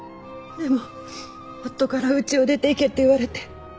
でも夫からうちを出ていけって言われて。